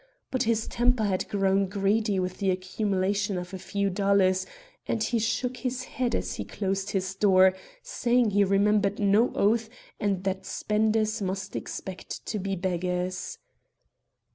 But his temper had grown greedy with the accumulation of a few dollars, and he shook his head as he closed his door, saying he remembered no oath and that spenders must expect to be beggars.